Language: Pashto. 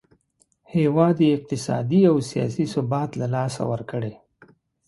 هیواد یې اقتصادي او سیاسي ثبات له لاسه ورکړی.